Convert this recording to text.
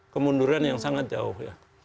kemunduran yang sangat jauh